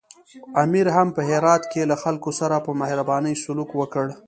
امیر هم په هرات کې له خلکو سره په مهربانۍ سلوک وکړ.